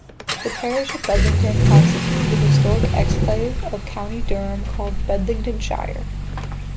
The parish of Bedlington constituted the historic exclave of County Durham called Bedlingtonshire.